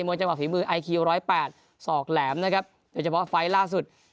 จังหวะฝีมือไอคิวร้อยแปดศอกแหลมนะครับโดยเฉพาะไฟล์ล่าสุด